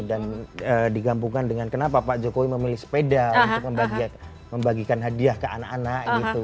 dan digampungkan dengan kenapa pak jokowi memilih sepeda untuk membagikan hadiah ke anak anak gitu